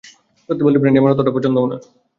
সত্যি বলতে ব্র্যান্ডি আমার অতটা পছন্দও না।